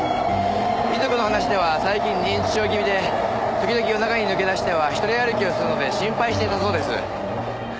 遺族の話では最近認知症ぎみで時々夜中に抜け出しては一人歩きをするので心配していたそうです。